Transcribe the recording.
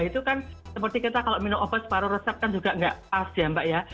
itu kan seperti kita kalau minum obat separuh resep kan juga nggak pas ya mbak ya